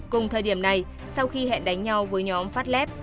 cùng thời điểm này sau khi hẹn đánh nhau với nhóm phát lép